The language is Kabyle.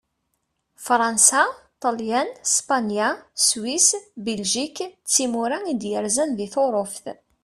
Fṛansa, Ṭelyan, Spanya, Swis, Biljik d timura i d-yerzan di Turuft.